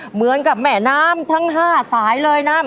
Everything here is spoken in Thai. เหมือนกับแม่น้ำทั้ง๕สายเลยนะ